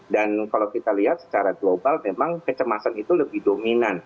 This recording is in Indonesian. dan kalau kita lihat secara global memang kecemasan itu lebih dominan